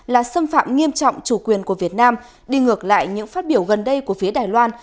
là xâm phạm nghiêm trọng chủ quyền của việt nam đi ngược lại những phát biểu gần đây của phía đài loan